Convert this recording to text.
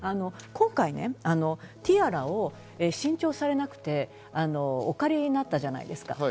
今回ティアラを新調されなくてお借りになったじゃないですか。